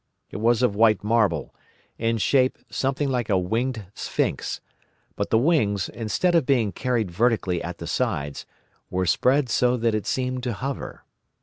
It was of white marble, in shape something like a winged sphinx, but the wings, instead of being carried vertically at the sides, were spread so that it seemed to hover.